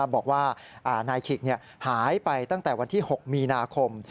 บอกว่านายขิกหายไปตั้งแต่วันที่๖มีนาคม